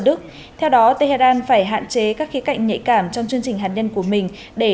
đức theo đó tehran phải hạn chế các khía cạnh nhạy cảm trong chương trình hạt nhân của mình để